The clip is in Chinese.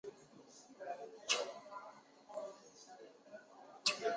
该主机仅在日本正式发布。